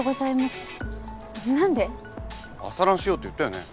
朝ランしようって言ったよね？